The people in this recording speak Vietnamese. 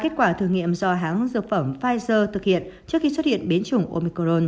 kết quả thử nghiệm do hãng dược phẩm pfizer thực hiện trước khi xuất hiện biến chủng omicron